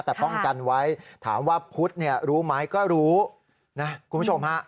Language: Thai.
แต่ป้องกันไว้ถามว่าพุทธรู้ไหมก็รู้นะครับคุณผู้ชม